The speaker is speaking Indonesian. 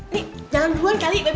nih jangan duluan kali baby